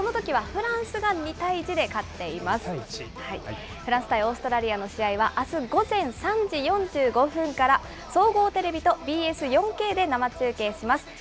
フランス対オーストラリアの試合はあす午前３時４５分から、総合テレビとＢＳ４Ｋで生中継します。